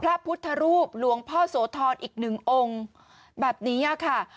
พระพุทธรูปหลวงพ่อโสธรอีกหนึ่งองค์แบบนี้ค่ะ